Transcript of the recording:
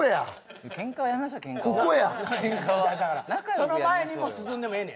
その前にも進んでもええねやろ？